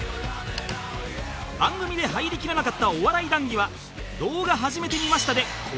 番組で入りきらなかったお笑い談義は「動画、はじめてみました」で公開